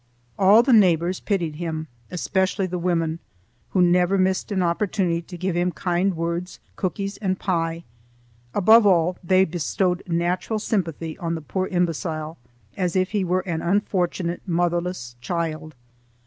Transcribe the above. All the neighbors pitied Charlie, especially the women, who never missed an opportunity to give him kind words, cookies, and pie; above all, they bestowed natural sympathy on the poor imbecile as if he were an unfortunate motherless child.